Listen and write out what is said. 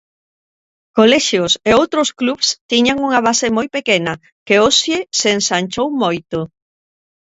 Colexios e outros clubs tiñan unha base moi pequena, que hoxe se ensanchou moito.